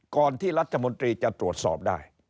ที่รัฐมนตรีจะตรวจสอบได้